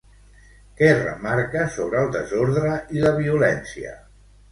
Què remarca sobre el desordre i la violència?